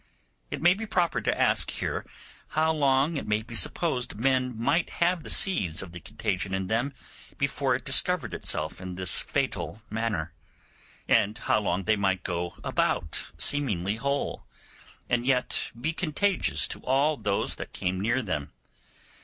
It may be proper to ask here how long it may be supposed men might have the seeds of the contagion in them before it discovered itself in this fatal manner, and how long they might go about seemingly whole, and yet be contagious to all those that came near them.